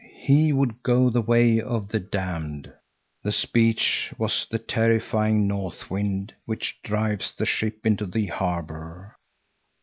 He would go the way of the damned. The speech was the terrifying north wind, which drives the ship into the harbor.